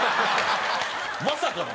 まさかの。